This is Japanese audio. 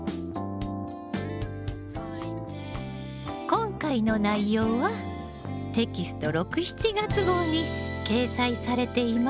今回の内容はテキスト６・７月号に掲載されています。